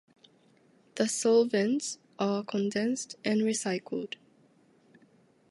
The solvents are condensed and recycled.